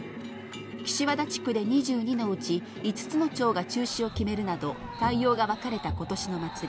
岸和田地区で２２のうち、５つの町が中止を決めるなど、対応が分かれたことしの祭。